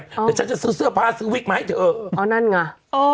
เดี๋ยวฉันจะซื้อเสื้อผ้าซื้อวิกมาให้เธออ๋อนั่นไง